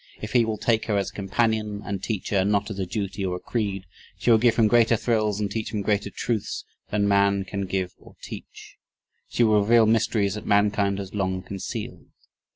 If he will take her as a companion, and teacher, and not as a duty or a creed, she will give him greater thrills and teach him greater truths than man can give or teach she will reveal mysteries that mankind has long concealed.